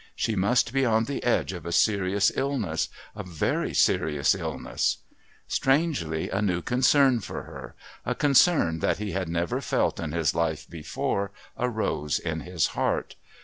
She must be on the edge of a serious illness, a very serious illness. Strangely a new concern for her, a concern that he had never felt in his life before, arose in his heart.